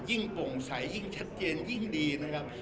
ยิ่งปงสายยิ่งชัดเจนยิ่งดีนะครับ